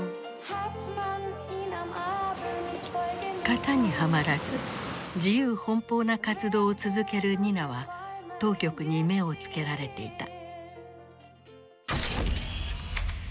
型にはまらず自由奔放な活動を続けるニナは当局に目を付けられていた。